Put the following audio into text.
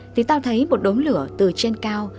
thì tao thấy một đống lửa từ trên cao